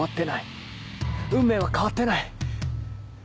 運命は変わってない。